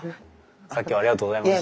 さっきはありがとうございました。